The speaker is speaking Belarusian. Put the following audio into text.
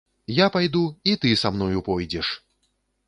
Я пайду, і ты са мною пойдзеш!